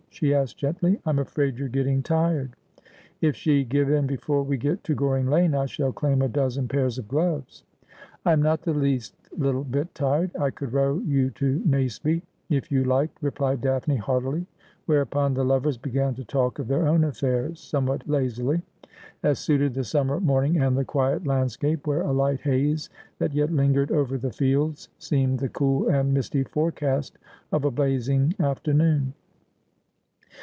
she asked gently. ' I'm afraid you're getting tired.' ' If she give in before we get to Groring Lane I shall claim a dozen pairs of gloves.' ' I am not the least little bit tired ; I could row you to Naseby, if you liked,' replied Daphne haughtily ; whereupon the lovers began to talk of their own affairs, somewhat lazily, as suited the summer morning and the quiet landscape, where a light haze that yet lingered over the fields seemed the cool and misty forecast of a blazing afternoon.